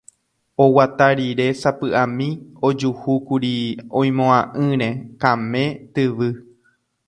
oguata rire sapy'ami ojuhúkuri oimo'ã'ỹre Kame tyvy.